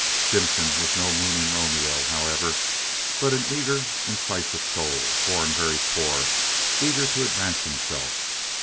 Stimson was no mooning Romeo, however, but an eager, incisive soul, born very poor, eager to advance himself.